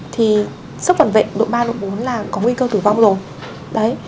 thì sốc phản vệ độ ba độ bốn là có nguy cơ tử vong rồi